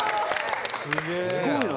「すごいな！